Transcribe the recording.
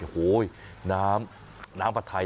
โหน้ำน้ำผัดไท